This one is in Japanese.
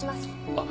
あっ